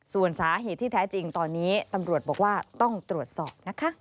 ส่วนสาเหตุที่แท้จริงตอนนี้ตำรวจบอกว่าต้องตรวจสอบนะคะ